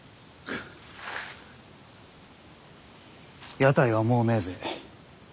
屋台はもうねえぜ。